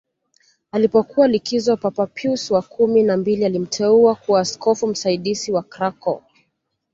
Alipokuwa likizo Papa Pius wa kumi na mbili alimteua kuwa askofu msaidizi wa Krakow